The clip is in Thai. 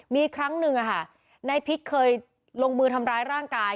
มีครั้งหนึ่งในพริกเคยลงมือทำร้ายร่างกาย